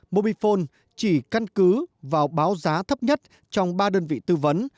mobifone chỉ căn cứ vào báo giá thấp nhất trong ba đơn vị tư vấn